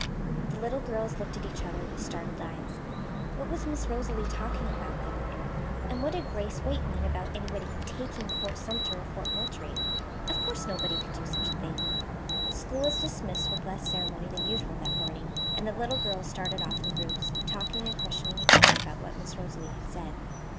The little girls looked at each other with startled eyes. What was Miss Rosalie talking about, they wondered, and what did Grace Waite mean about anybody "taking" Fort Sumter or Fort Moultrie? Of course nobody could do such a thing. School was dismissed with less ceremony than usual that morning, and the little girls started off in groups, talking and questioning each other about what Miss Rosalie had said.